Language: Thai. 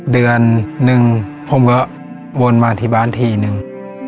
เดือนหนึ่งผมก็วนมาที่บ้านทีนึง